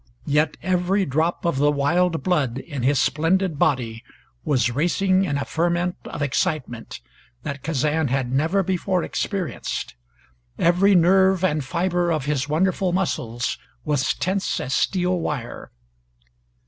Yet every drop of the wild blood in his splendid body was racing in a ferment of excitement that Kazan had never before experienced; every nerve and fiber of his wonderful muscles was tense as steel wire.